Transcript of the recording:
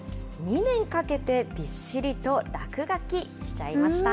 ２年かけてびっしりと落書きしちゃいました。